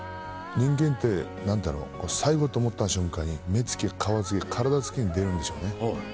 人間って最後と思った瞬間に目つき顔つき体つきに出るんでしょうね